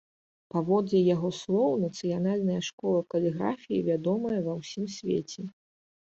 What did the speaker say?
Паводле яго слоў, нацыянальная школа каліграфіі вядомая ва ўсім свеце.